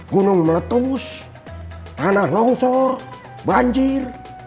gunung meletus tanah longsor banjir